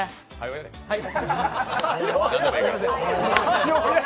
はい。